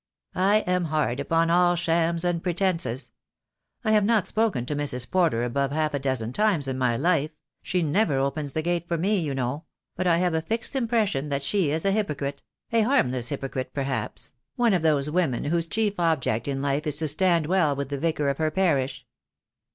"I am hard upon all shams and pretences. I have not spoken to Mrs. Porter above half a dozen times in my life — she never opens the gate for me, you know — but I have a fixed impression that she is a hypocrite — a harm less hypocrite, perhaps — one of those women whose chief object in life is to stand well with the Vicar of her parish."